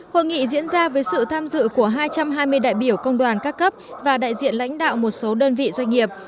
hội nghị diễn ra với sự tham dự của hai trăm hai mươi đại biểu công đoàn các cấp và đại diện lãnh đạo một số đơn vị doanh nghiệp